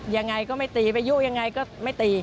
ยังไงก็ไม่ตีไปยู่ยังไงก็ไม่ตี